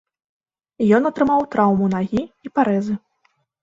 Ён атрымаў траўму нагі і парэзы.